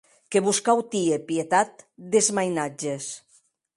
Que vos cau tier pietat des mainatges.